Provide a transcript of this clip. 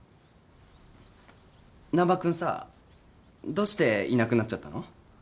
難破君さどうしていなくなっちゃったの？